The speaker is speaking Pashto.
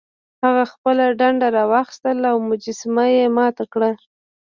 هغه خپله ډنډه راواخیسته او مجسمه یې ماته کړه.